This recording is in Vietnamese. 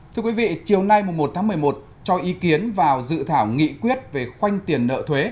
thưa quý vị chiều nay một tháng một mươi một cho ý kiến vào dự thảo nghị quyết về khoanh tiền nợ thuế